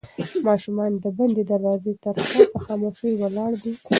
ماشوم د بندې دروازې تر شا په خاموشۍ ولاړ دی.